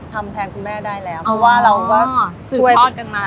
ทำแทนคุณแม่ได้แล้วเพราะว่าเราก็สืบทอดกันมา